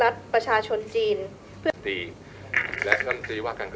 สวัสดีครับสวัสดีครับ